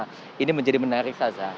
karena ini menjadi menarik saza